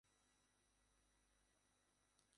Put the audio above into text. আপনাকে চিন্তিত লাগছে কেনো?